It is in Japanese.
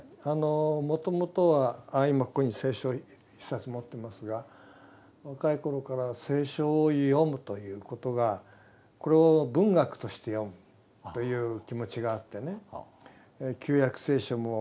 もともとは今ここに聖書を１冊持ってますが若い頃から聖書を読むということがこれを文学として読むという気持ちがあってね「旧約聖書」も「新約聖書」もまあそうですね